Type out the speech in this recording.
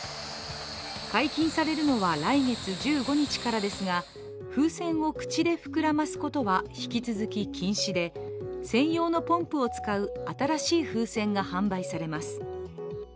解禁されるのは来月１５日からですが風船を口で膨らますことは引き続き禁止で、専用のポンプを使う新しい風船が販売されます。